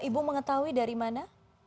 ibu mengetahui dari mana